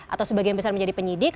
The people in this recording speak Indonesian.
atau sebagian besar menjadi penyidik